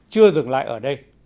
chưa dừng lại ở đây